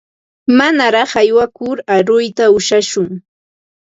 Manaraq aywakur aruyta ushashun.